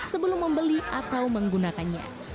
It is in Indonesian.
sebelum membeli atau menggunakannya